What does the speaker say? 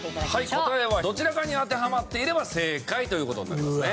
答えはどちらかに当てはまっていれば正解という事になりますね。